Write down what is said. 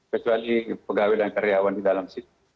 kecuali pegawai dan karyawan di dalam situ